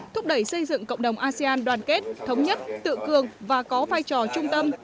thúc đẩy xây dựng cộng đồng asean đoàn kết thống nhất tự cường và có vai trò trung tâm